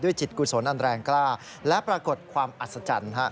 จิตกุศลอันแรงกล้าและปรากฏความอัศจรรย์